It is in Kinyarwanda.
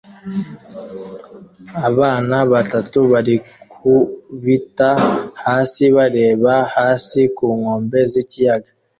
Abana batatu barikubita hasi bareba hasi ku nkombe z'ikiyaga